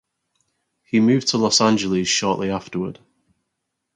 He moved to Los Angeles shortly afterward.